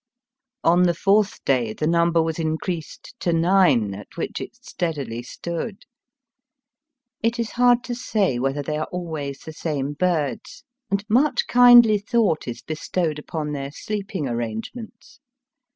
On the fourth day the number was increased to nine, at which it steadily stood. It is hard to say whether they are always the same birds, and much kindly thought is bestowed upon their sleeping arrangements.